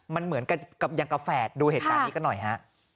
มันเหมือนกับยังกาแฝดดูเหตุการณ์นี้กันหน่อยฮะ